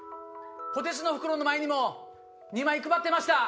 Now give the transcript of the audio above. ポテチの袋の前にも２枚配ってました。